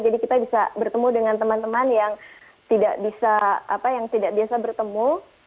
jadi kita bisa bertemu dengan teman teman yang tidak bisa apa yang tidak biasa bertemu